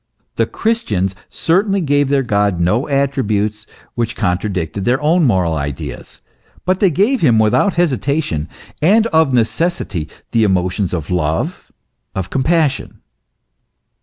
The Christians certainly gave their God no attributes which contradicted their own moral ideas, but they gave him without hesitation, and of necessity, the emotions of love, of compassion.